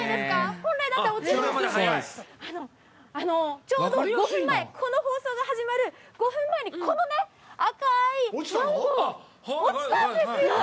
本来だったら落ちるんですが、ちょうど５分前、この放送が始まる５分前に、このね、赤いマンゴー、落ちたんですよ！